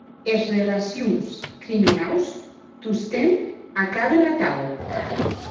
Es relacions criminaus tostemp acaben atau.